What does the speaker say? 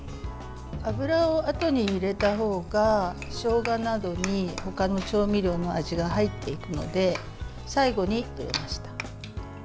油をあとに入れたほうがしょうがなどにほかの調味料の味が入っていくので最後に入れました。